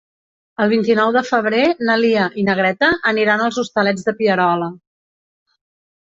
El vint-i-nou de febrer na Lia i na Greta aniran als Hostalets de Pierola.